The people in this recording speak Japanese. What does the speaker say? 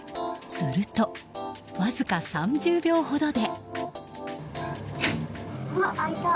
すると、わずか３０秒ほどで。